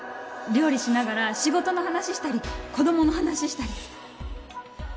料理しながら仕事の話したり子供の話したり。